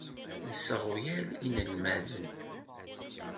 Nesseɣyel inelmaden.